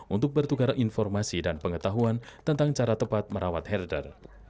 untuk bertukar informasi dan pengetahuan tentang cara tepat merawat herder